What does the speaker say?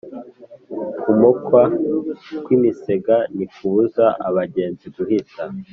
Ukumoka kw’imisega ntikubuza abagenzi guhita.